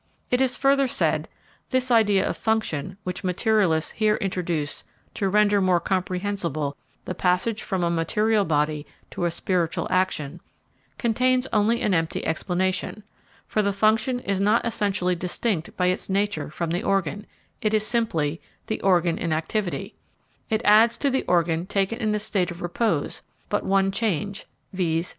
It is further said: this idea of function, which materialists here introduce to render more comprehensible the passage from a material body to a spiritual action, contains only an empty explanation, for the function is not essentially distinct by its nature from the organ; it is simply "the organ in activity," it adds to the organ taken in a state of repose but one change, viz.